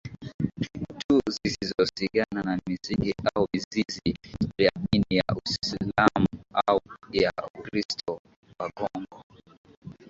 tu zisizosigana na Misingi au Mizizi ya Dini ya Uislamu au ya UkristoWaghongo